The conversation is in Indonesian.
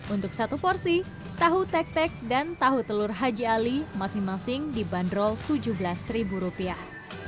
untuk satu porsi tahu tek tek dan tahu telur haji ali masing masing dibanderol tujuh belas ribu rupiah